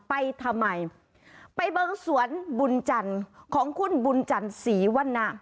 ไปทำไมไปเบิ้งสวนบุญจันทร์ของคุณบุญจันทร์ศรีวันนะ